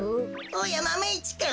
おやマメ１くん。